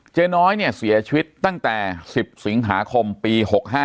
น้อยเนี่ยเสียชีวิตตั้งแต่๑๐สิงหาคมปี๖๕